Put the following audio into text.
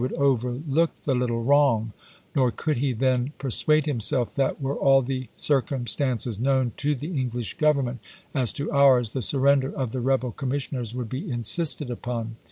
would overlook the little wrong ; nor could he then per suade himself that, were all the circumstances known to the English Government as to ours, the surrender of the rebel commissioners would be insisted upon.